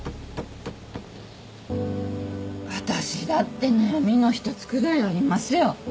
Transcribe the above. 私だって悩みの一つくらいありますよ。